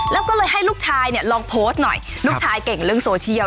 แล้วก็เลยให้ลูกชายเนี่ยลองโพสต์หน่อยลูกชายเก่งเรื่องโซเชียล